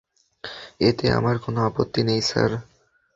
এতে আমার কোন আপত্তি নেই, স্যার।